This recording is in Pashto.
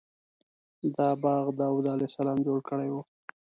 دا باغ داود علیه السلام جوړ کړی و.